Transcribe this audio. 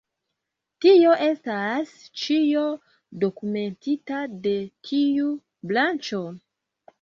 Tio estas ĉio dokumentita de tiu branĉo.